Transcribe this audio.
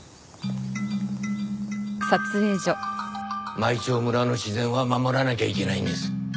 舞澄村の自然は守らなきゃいけないんです。